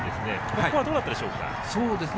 ここは、どうだったでしょうか？